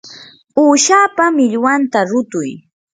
uushapa millwanta rutuy.